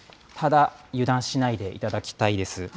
ただ、油断しないでいただきたいです。